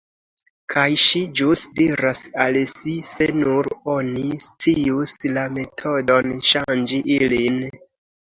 Kaj ŝi ĵus diras al si "se nur oni scius la metodon ŝanĝi ilin…"